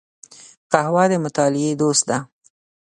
قهوه د مطالعې دوست ده